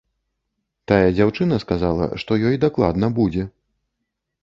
Тая дзяўчына сказала, што ёй дакладна будзе.